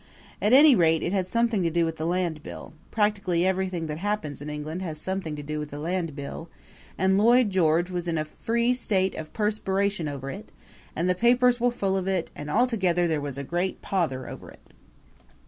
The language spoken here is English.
At any rate it had something to do with the Land Bill practically everything that happens in England has something to do with the Land Bill and Lloyd George was in a free state of perspiration over it; and the papers were full of it and altogether there was a great pother over it.